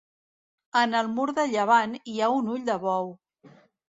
En el mur de llevant hi ha un ull de bou.